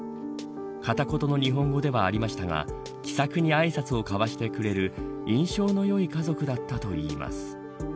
片言の日本語ではありましたが気さくにあいさつを交わしてくれる印象の良い家族だったといいます。